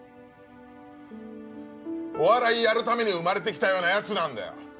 お笑いやるために生まれてきたような奴なんだよ。